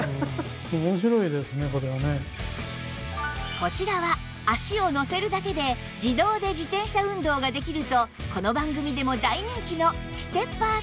こちらは足をのせるだけで自動で自転車運動ができるとこの番組でも大人気のステッパーサイクル